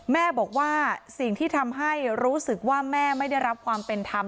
แม่บอกว่าสิ่งที่ทำให้รู้สึกว่าแม่ไม่ได้รับความเป็นธรรม